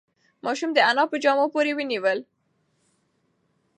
ماشوم د انا په جامو پورې ونیول.